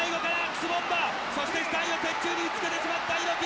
そして額を鉄柱に打ちつけてしまった猪木！